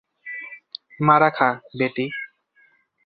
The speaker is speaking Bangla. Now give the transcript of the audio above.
মারা খা, বেটি।